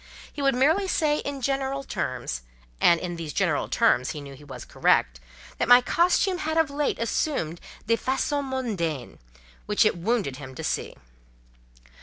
He would merely say, in general terms—and in these general terms he knew he was correct—that my costume had of late assumed 'des façons mondaines,' which it wounded him to see."